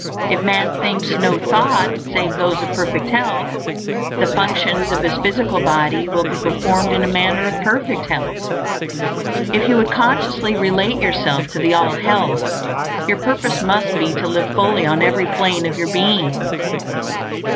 If man thinks no thoughts save those of perfect health, the functions of his physical body will be performed in a manner of perfect health. If you would consciously relate yourself to the All Health, your purpose must be to live fully on every plane of your being.